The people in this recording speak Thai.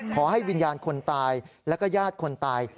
ขอให้วิญญาณคนตายแล้วก็ญาติคนตาย